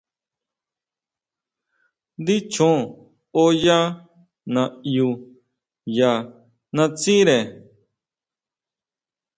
Ndí chjon oyá naʼyu ya natsire.